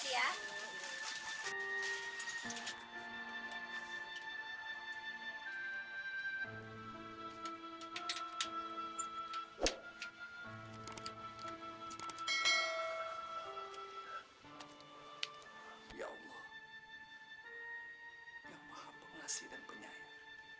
ya allah yang maha pengasih dan penyayang